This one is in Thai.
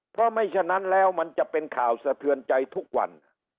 เพราะไม่ฉะนั้นแล้วมันจะเป็นข่าวสะเทือนใจทุกวัน